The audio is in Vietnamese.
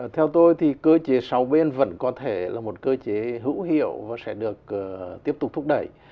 theo tôi thì cơ chế sáu bên vẫn có thể là một cơ chế hữu hiệu và sẽ được tiếp tục thúc đẩy